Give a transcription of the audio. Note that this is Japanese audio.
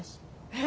え！？